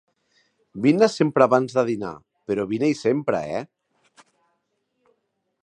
Vine sempre abans de dinar; però vine-hi sempre, eh!